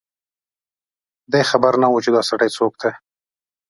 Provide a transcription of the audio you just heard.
دی خبر نه و چي دا سړی څوک دی